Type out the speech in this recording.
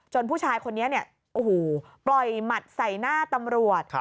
จนผู้ชายคนนี้ปล่อยหมัดใส่หน้าตำรวจ